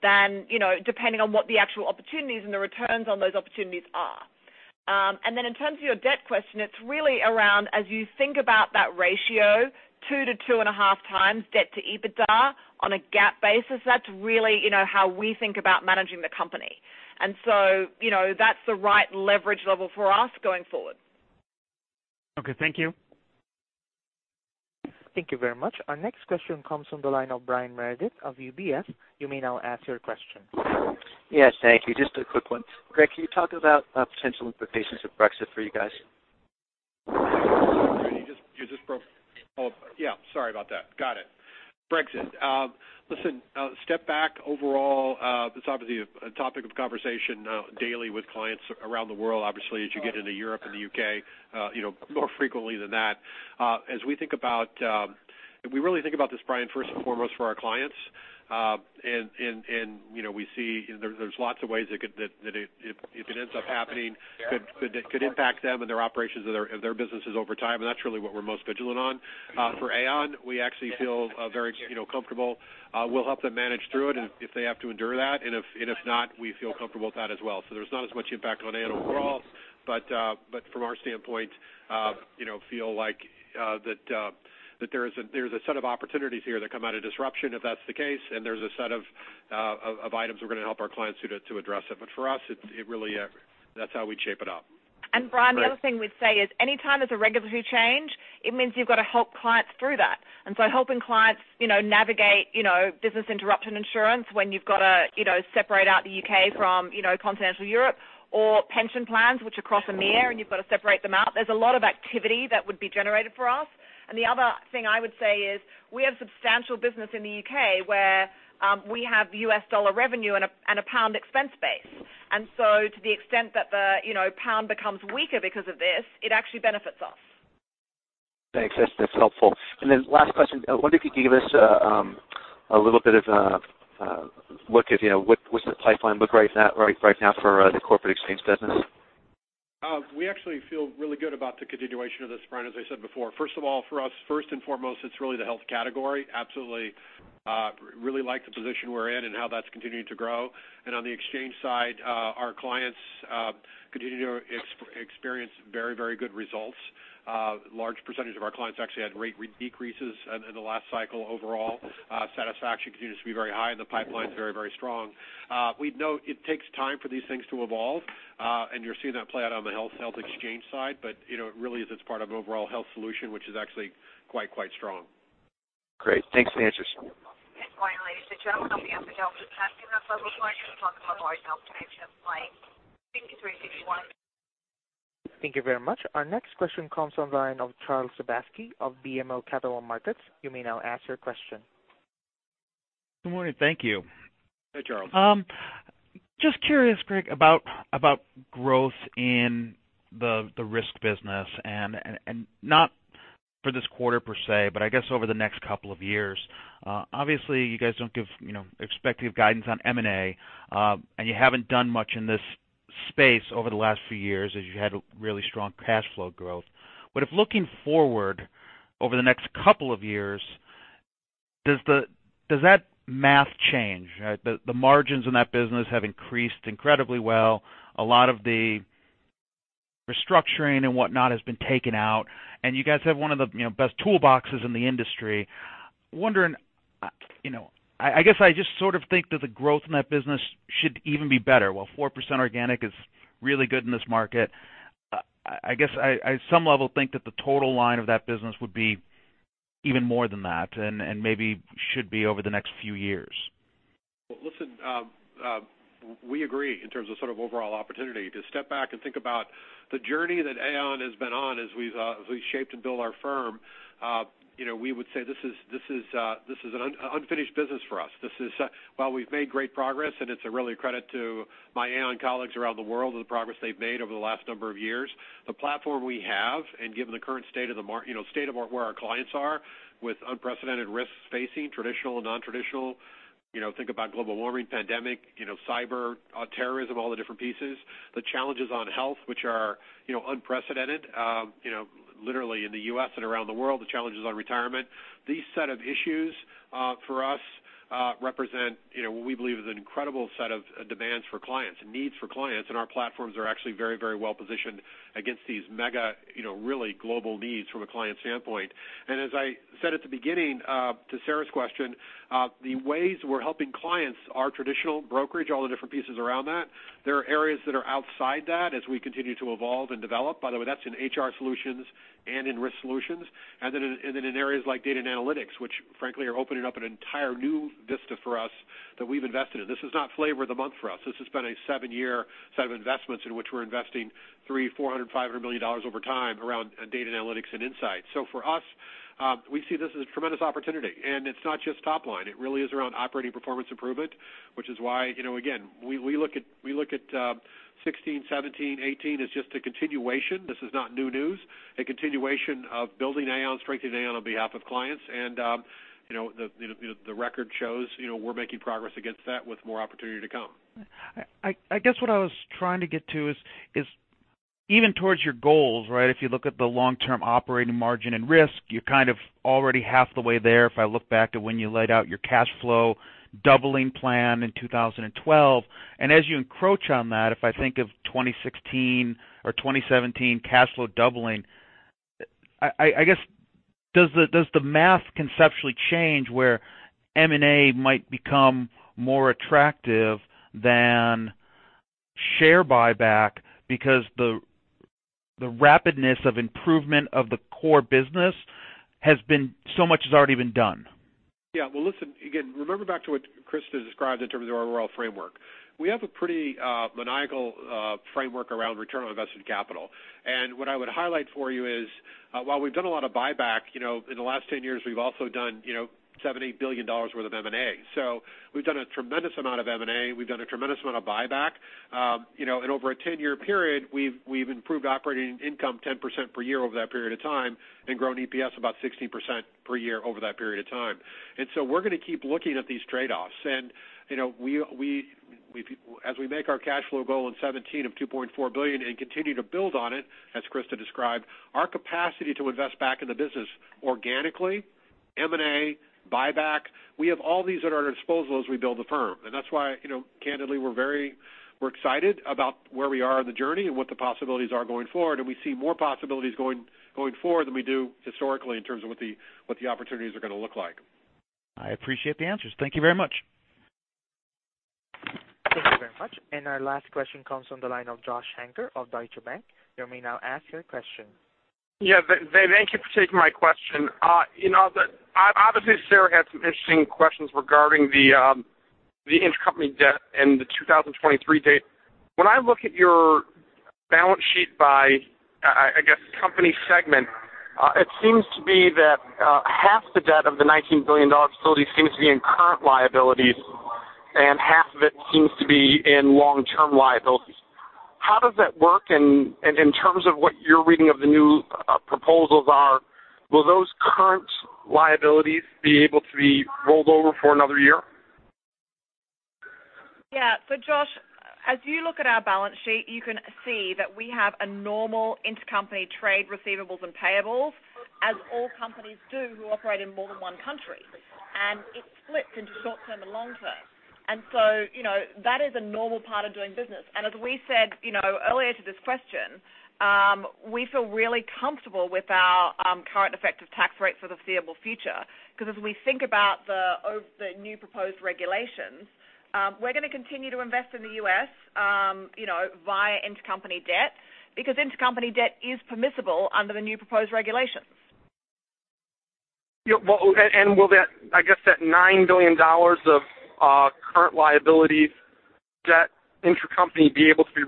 depending on what the actual opportunities and the returns on those opportunities are. In terms of your debt question, it's really around as you think about that ratio, two to two and a half times debt to EBITDA on a GAAP basis, that's really how we think about managing the company. That's the right leverage level for us going forward. Okay, thank you. Thank you very much. Our next question comes from the line of Brian Meredith of UBS. You may now ask your question. Yes, thank you. Just a quick one. Greg, can you talk about potential implications of Brexit for you guys? Yeah, sorry about that. Got it. Brexit. Listen, step back overall, it's obviously a topic of conversation daily with clients around the world, obviously, as you get into Europe and the U.K., more frequently than that. We really think about this, Brian, first and foremost for our clients. We see there's lots of ways that if it ends up happening, could impact them and their operations of their businesses over time. That's really what we're most vigilant on. For Aon, we actually feel very comfortable. We'll help them manage through it if they have to endure that, and if not, we feel comfortable with that as well. There's not as much impact on Aon overall, but from our standpoint, feel like that there's a set of opportunities here that come out of disruption if that's the case, and there's a set of items we're going to help our clients to address it. For us, that's how we shape it up. Brian, the other thing we'd say is anytime there's a regulatory change, it means you've got to help clients through that. Helping clients navigate business interruption insurance when you've got to separate out the U.K. from continental Europe or pension plans, which are cross EMEA, and you've got to separate them out. There's a lot of activity that would be generated for us. The other thing I would say is we have substantial business in the U.K. where we have US dollar revenue and a GBP expense base. To the extent that the GBP becomes weaker because of this, it actually benefits us. Thanks. That's helpful. Last question. I wonder if you could give us a little bit of a look at what's the pipeline look right now for the corporate exchange business. We actually feel really good about the continuation of this, Brian, as I said before. First of all, for us, first and foremost, it's really the health category. Absolutely really like the position we're in and how that's continuing to grow. On the exchange side, our clients continue to experience very good results. Large percentage of our clients actually had rate decreases in the last cycle overall. Satisfaction continues to be very high, and the pipeline's very strong. We know it takes time for these things to evolve, and you're seeing that play out on the health exchange side, but it really is as part of an overall health solution, which is actually quite strong. Great. Thanks for the answers. Good morning, ladies and gentlemen. [INAUDIBLE] Thank you very much. Our next question comes on the line of Charles Sebaski of BMO Capital Markets. You may now ask your question. Good morning. Thank you. Hey, Charles. Just curious, Greg, about growth in the risk business, and not for this quarter per se, but I guess over the next couple of years. Obviously you guys don't give expected guidance on M&A, and you haven't done much in this space over the last few years as you had really strong cash flow growth. If looking forward over the next couple of years, does that math change? The margins in that business have increased incredibly well. A lot of the restructuring and whatnot has been taken out. You guys have one of the best toolboxes in the industry. Wondering I guess I just sort of think that the growth in that business should even be better. While 4% organic is really good in this market, I guess I, at some level, think that the total line of that business would be even more than that, and maybe should be over the next few years. Listen, we agree in terms of sort of overall opportunity. To step back and think about the journey that Aon has been on as we've shaped and built our firm, we would say this is an unfinished business for us. While we've made great progress and it's really a credit to my Aon colleagues around the world and the progress they've made over the last number of years, the platform we have, and given the current state of where our clients are with unprecedented risks facing traditional and non-traditional, think about global warming, pandemic, cyber terrorism, all the different pieces. The challenges on health, which are unprecedented, literally in the U.S. and around the world, the challenges on retirement. These set of issues, for us, represent what we believe is an incredible set of demands for clients and needs for clients. Our platforms are actually very well-positioned against these mega, really global needs from a client standpoint. As I said at the beginning, to Sarah's question, the ways we're helping clients are traditional brokerage, all the different pieces around that. There are areas that are outside that as we continue to evolve and develop. By the way, that's in HR Solutions and in Risk Solutions. In areas like data and analytics, which frankly are opening up an entire new vista for us that we've invested in. This is not flavor of the month for us. This has been a seven-year set of investments in which we're investing $300 million, $400 million, $500 million over time around data analytics and insights. For us, we see this as a tremendous opportunity, and it's not just top line. It really is around operating performance improvement, which is why, again, we look at 2016, 2017, 2018 as just a continuation. This is not new news. A continuation of building Aon, strengthening Aon on behalf of clients. The record shows we're making progress against that with more opportunity to come. I guess what I was trying to get to is even towards your goals, right? If you look at the long-term operating margin and Risk Solutions, you're kind of already half the way there if I look back to when you laid out your cash flow doubling plan in 2012. As you encroach on that, if I think of 2016 or 2017 cash flow doubling, I guess, does the math conceptually change where M&A might become more attractive than share buyback because the rapidness of improvement of the core business, so much has already been done? Yeah. Well, listen, again, remember back to what Christa described in terms of our overall framework. We have a pretty maniacal framework around return on invested capital. What I would highlight for you is, while we've done a lot of buyback in the last 10 years, we've also done $78 billion worth of M&A. We've done a tremendous amount of M&A. We've done a tremendous amount of buyback. Over a 10-year period, we've improved operating income 10% per year over that period of time and grown EPS about 16% per year over that period of time. We're going to keep looking at these trade-offs. As we make our cash flow goal in 2017 of $2.4 billion and continue to build on it, as Christa described, our capacity to invest back in the business organically, M&A, buyback, we have all these at our disposal as we build the firm. That's why, candidly, we're excited about where we are on the journey and what the possibilities are going forward. We see more possibilities going forward than we do historically in terms of what the opportunities are going to look like. I appreciate the answers. Thank you very much. Thank you very much. Our last question comes from the line of Joshua Shanker of Deutsche Bank. You may now ask your question. Yeah. Thank you for taking my question. Obviously, Sarah had some interesting questions regarding the intercompany debt and the 2023 date. When I look at your balance sheet by, I guess, company segment, it seems to be that half the debt of the $19 billion facility seems to be in current liabilities, and half of it seems to be in long-term liabilities. How does that work? In terms of what your reading of the new proposals are, will those current liabilities be able to be rolled over for another year? Yeah. Josh, as you look at our balance sheet, you can see that we have a normal intercompany trade receivables and payables, as all companies do who operate in more than one country. It splits into short-term and long-term. That is a normal part of doing business. As we said earlier to this question, we feel really comfortable with our current effective tax rate for the foreseeable future because as we think about the new proposed regulations, we're going to continue to invest in the U.S. via intercompany debt because intercompany debt is permissible under the new proposed regulations. Yeah. Will that, I guess that $9 billion of current liabilities, that intercompany be able to be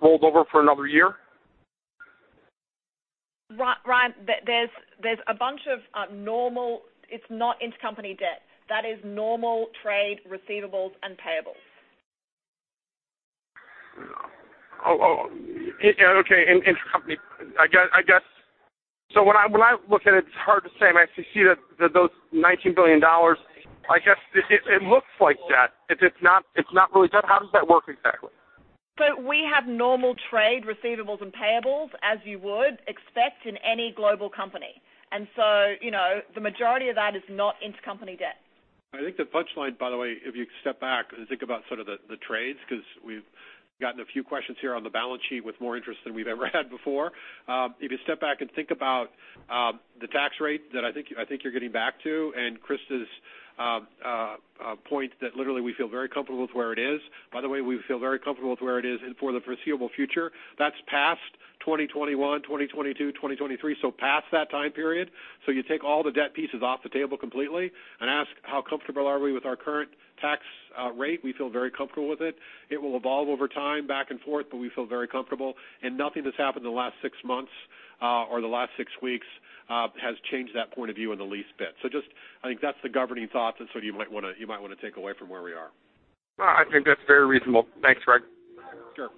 rolled over for another year? Josh, there's a bunch of normal, it's not intercompany debt. That is normal trade receivables and payables. Oh, okay. Intercompany. When I look at it's hard to say. When I actually see that those $19 billion, I guess it looks like that. If it's not really debt, how does that work exactly? We have normal trade receivables and payables as you would expect in any global company. The majority of that is not intercompany debt. I think the punchline, by the way, if you step back and think about sort of the trades, because we've gotten a few questions here on the balance sheet with more interest than we've ever had before. If you step back and think about the tax rate that I think you're getting back to, and Christa's point that literally we feel very comfortable with where it is. By the way, we feel very comfortable with where it is and for the foreseeable future. That's past 2021, 2022, 2023, so past that time period. You take all the debt pieces off the table completely and ask how comfortable are we with our current tax rate. We feel very comfortable with it. It will evolve over time, back and forth, but we feel very comfortable. Nothing that's happened in the last six months, or the last six weeks, has changed that point of view in the least bit. I think that's the governing thoughts that you might want to take away from where we are. I think that's very reasonable. Thanks, Greg. Sure.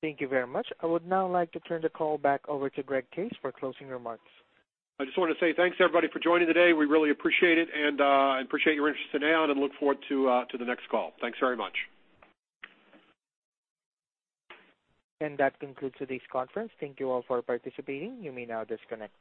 Thank you very much. I would now like to turn the call back over to Greg Case for closing remarks. I just want to say thanks everybody for joining today. We really appreciate it and appreciate your interest in Aon and look forward to the next call. Thanks very much. That concludes today's conference. Thank you all for participating. You may now disconnect.